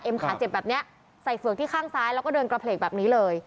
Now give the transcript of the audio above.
ขาเจ็บแบบนี้ใส่เฝือกที่ข้างซ้ายแล้วก็เดินกระเพลกแบบนี้เลย